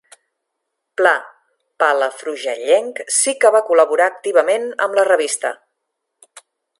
Pla, palafrugellenc, sí que va col·laborar activament amb la revista.